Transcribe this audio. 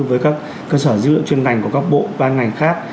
với các cơ sở dữ liệu chuyên ngành của các bộ ban ngành khác